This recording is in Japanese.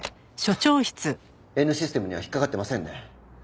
Ｎシステムには引っかかってませんね。